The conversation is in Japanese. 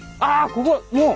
ここもう。